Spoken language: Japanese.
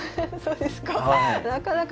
そうですか？